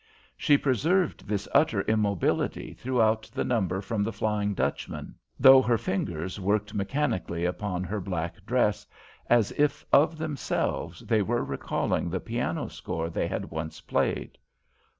She preserved this utter immobility throughout the number from The Flying Dutchman, though her fingers worked mechanically upon her black dress, as if, of themselves, they were recalling the piano score they had once played.